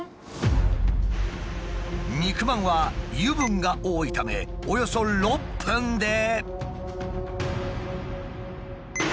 肉まんは油分が多いためおよそ６分で。